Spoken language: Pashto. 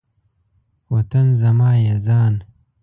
وطن زما یی ځان